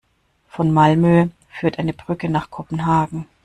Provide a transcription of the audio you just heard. Von Malmö führt eine Brücke nach Kopenhagen.